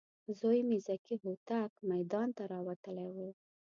زوی مې ذکي هوتک میدان ته راوتلی و.